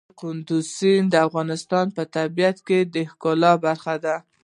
کندز سیند د افغانستان د طبیعت د ښکلا برخه ده.